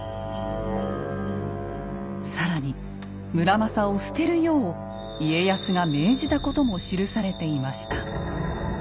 更に村正を棄てるよう家康が命じたことも記されていました。